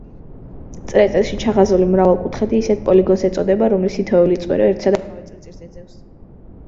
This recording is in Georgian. წრეწირში ჩახაზული მრავალკუთხედი ისეთ პოლიგონს ეწოდება, რომლის თითოეული წვერო ერთსა და იმავე წრეწირზე ძევს.